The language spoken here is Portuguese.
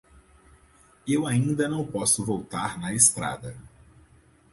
Eu ainda não posso voltar na estrada.